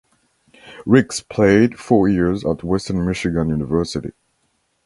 Ricks played four years at Western Michigan University.